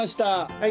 はい。